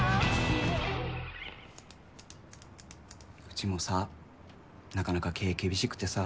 うちもさなかなか経営厳しくてさ。